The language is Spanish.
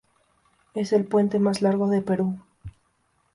Es el puente más largo del Perú.